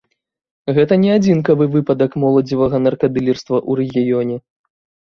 Гэта не адзінкавы выпадак моладзевага наркадылерства ў рэгіёне.